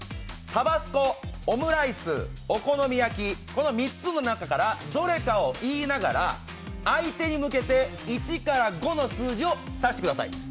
タバスコ、オムライス、お好み焼き、この３つの中からどれかを言いながら相手に向けて１５の数字を指してください。